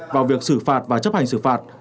vào việc xử phạt và chấp hành xử phạt